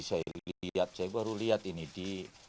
saya baru lihat ini di